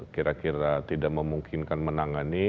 kira kira tidak memungkinkan menangani